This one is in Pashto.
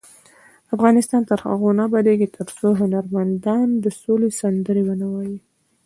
افغانستان تر هغو نه ابادیږي، ترڅو هنرمندان د سولې سندرې ونه وايي.